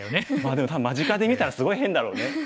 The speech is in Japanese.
でも間近で見たらすごい変だろうね。